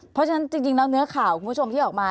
เพราะฉะนั้นจริงแล้วเนื้อข่าวคุณผู้ชมที่ออกมา